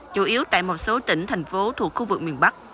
chủ yếu tại một số tỉnh thành phố thuộc khu vực miền bắc